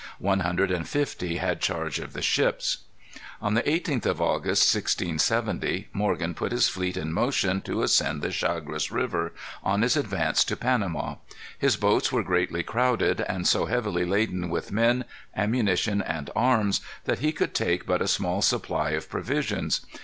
One hundred and fifty had charge of the ships. On the 18th of August, 1670, Morgan put his fleet in motion to ascend the Chagres River on his advance to Panama. His boats were greatly crowded, and so heavily laden with men, ammunition, and arms, that he could take but a small supply of provisions.